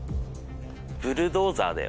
ブルドーザーだよ。